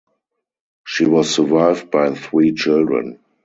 She was survived by three children.